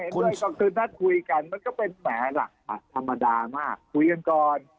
คือนักคุยกันมันก็เป็นแหล่ะธรรมดามากคุยกันก่อน